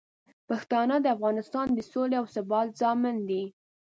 پښتانه د افغانستان د سولې او ثبات ضامن دي.